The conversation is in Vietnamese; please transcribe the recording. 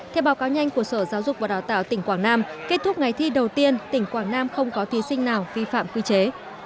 theo báo cáo nhanh của sở giáo dục và đào tạo tỉnh quảng nam kết thúc ngày thi đầu tiên tỉnh quảng nam không có thí sinh nào vi phạm quy chế